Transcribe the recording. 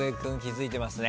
付いてますね。